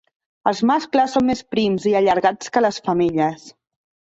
Els mascles són més prims i allargats que les femelles.